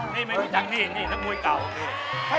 นี่เมมิถุจังนี่นี่นักมวยเก่า